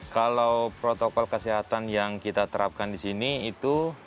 kalau protokol kesehatan yang kita terapkan disini itu